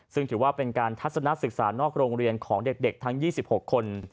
ซึ่งถือว่าเป็นการทัศนศึกษานอกโรงเรียนของเด็กทั้ง๒๖คน